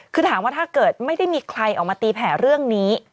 คือถามว่าถ้าเกิดไม่ได้มีใครออกมาตีแผ่เรื่องนี้